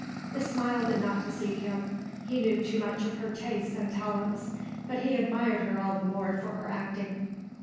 The smile did not deceive him; he knew too much of her tastes and talents, but he admired her all the more for her acting.